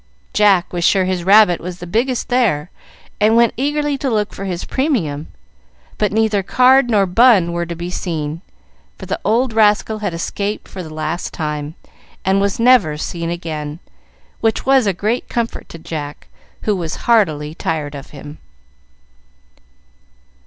Jack was sure his rabbit was the biggest there, and went eagerly to look for his premium. But neither card nor Bun were to be seen, for the old rascal had escaped for the last time, and was never seen again; which was a great comfort to Jack, who was heartily tired of him.